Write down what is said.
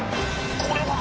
これは！